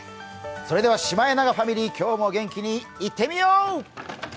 それではシマエナガファミリー、今日も元気にいってみよう。